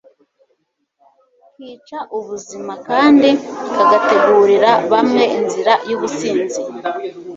kica ubuzima kandi kagategurira bamwe inzira yubusinzi